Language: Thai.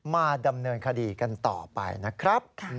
มาดำเนินคดีกันต่อไปนะครับ